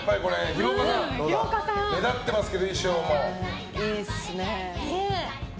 廣岡さん、目立ってますけども。